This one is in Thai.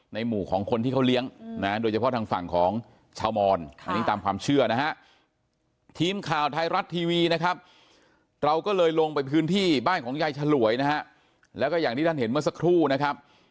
ในหมู่ของคนที่เขาเลี้ยงนะโดยเฉพาะทางฝั่งของชาวมอนตามความเชื่อนะฮะ